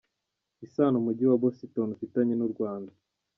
Isano Umujyi wa Bositoni ufitanye n’u Rwanda